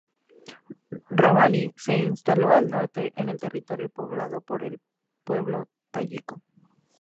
Rabbani se instaló al norte, en el territorio poblado por el pueblo tayiko.